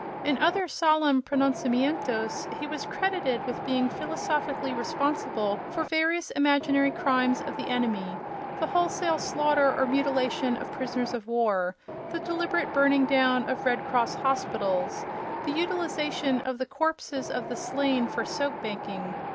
In other solemn pronunciamentoes he was credited with being philosophically responsible for various imaginary crimes of the enemy—the wholesale slaughter or mutilation of prisoners of war, the deliberate burning down of Red Cross hospitals, the utilization of the corpses of the slain for soap making.